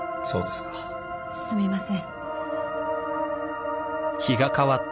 すみません。